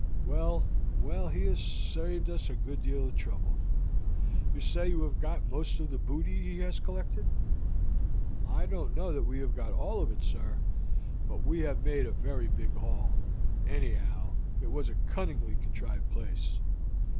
Well, well, he has saved us a good deal of trouble. You say you have got most of the booty he has collected?" "I don't know that we have got all of it, sir, but we have made a very big haul, anyhow; it was a cunningly contrived place.